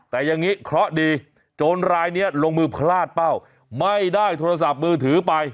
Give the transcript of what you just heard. แต่อย่างนี้เคราะห์ดีโจรรายนี้ลงมือพลาดเป้าไม่ได้โทรศัพท์มือถือไป